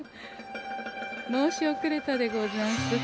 申しおくれたでござんす。